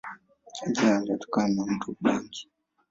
Jina linatokana na mto Ubangi.